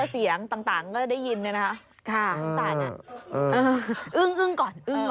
อื้มก่อน